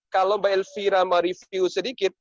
kalau mbak elvira mereview sedikit